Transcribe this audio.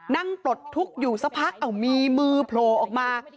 ปลดทุกข์อยู่สักพักมีมือโผล่ออกมา